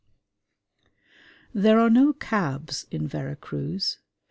There are no cabs in Vera Cruz.